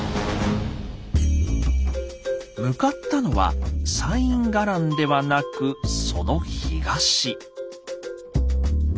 向かったのは西院伽藍ではなくその東。